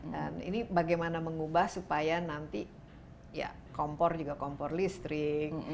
dan ini bagaimana mengubah supaya nanti ya kompor juga kompor listrik